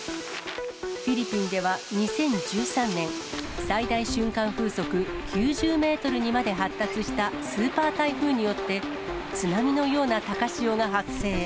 フィリピンでは２０１３年、最大瞬間風速９０メートルにまで発達したスーパー台風によって、津波のような高潮が発生。